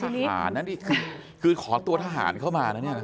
นี่ค่ะคือขอตัวทหารเข้ามานะเนี่ย